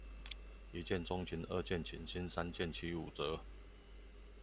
一見鐘情，二見傾心，三件七五折